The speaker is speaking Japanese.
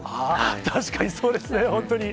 確かにそうですね、本当に。